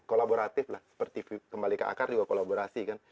kolaboratif lah seperti kembali ke akar juga kolaborasi kan